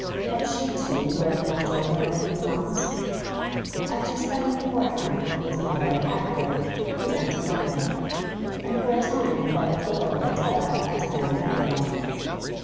Had she too grown much older in a few months? After spending a fortnight with his mother at Agworth, he went to London, and for a time thought as little of Adela as of any other woman.